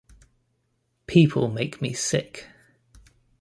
People make me sick.